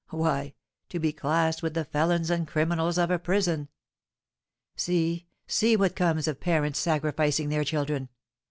Why, to be classed with the felons and criminals of a prison! See, see what comes of parents sacrificing their children.